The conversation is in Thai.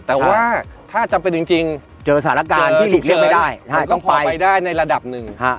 แต่ว่าถ้าจำเป็นจริงเจอสถานการณ์ที่หลีกเลี่ยงไม่ได้ต้องไปได้ในระดับหนึ่ง